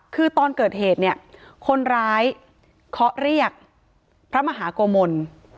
คือตอนเกิดเหตุเนี่ยคนร้ายเคาะเรียกพระมหาโกมล